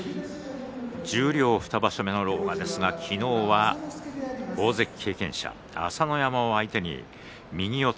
十両２場所目の狼雅ですが昨日は大関経験者朝乃山相手に右四つ。